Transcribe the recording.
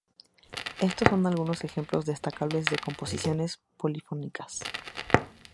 Estos son algunos ejemplos destacables de composiciones polifónicas.